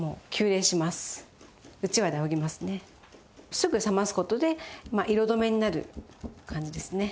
すぐ冷ます事で色止めになる感じですね。